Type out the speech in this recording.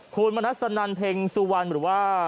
คุณมณัสนันเพ็งสุวรรณหรือว่า